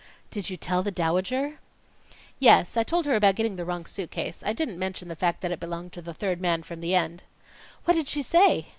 "Did you tell the Dowager?" "Yes, I told her about getting the wrong suit case; I didn't mention the fact that it belonged to the third man from the end." "What did she say?"